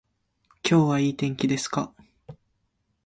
今日はいい天気ですか